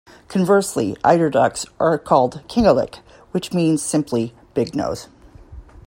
Conversely, eider ducks are called "kingalik" which means, simply, "big-nose".